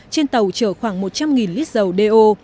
trên tàu chở khoảng một trăm linh lít dầu do